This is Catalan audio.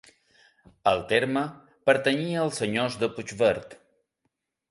El terme pertanyia als senyors de Puigverd.